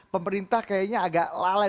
pemerintah kayaknya agak lalai